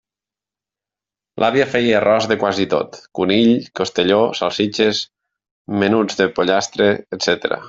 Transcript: L'àvia feia arròs de quasi tot: conill, costelló, salsitxes, menuts de pollastre, etc.